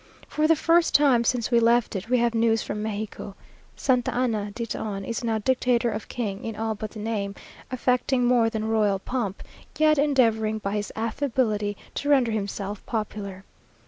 For the first time since we left it, we have news from Mexico. Santa Anna, dit on, is now Dictator or King, in all but the name; affecting more than royal pomp, yet endeavouring by his affability to render himself popular.